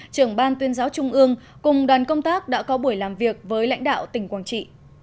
trưởng ban tuyên giáo trung ương cùng đoàn công tác đã có buổi làm việc với lãnh đạo tỉnh quảng trị